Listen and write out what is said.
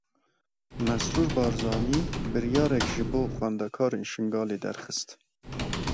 Mesrûr Barzanî biryarek ji bo xwendekarên Şingalê derxist.